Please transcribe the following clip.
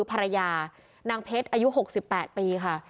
ภรรยานางเพชรอายุ๖๘ปีค่ะ